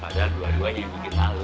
padahal dua duanya bikin malu